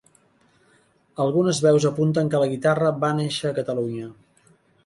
Algunes veus apunten que la guitarra va néixer a Catalunya.